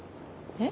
えっ！？